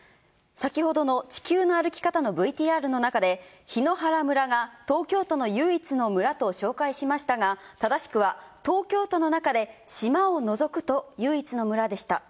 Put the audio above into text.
先ほどの地球の歩き方のＶＴＲの中で、檜原村が東京都の唯一の村と紹介しましたが、正しくは東京都の中で島を除くと唯一の村でした。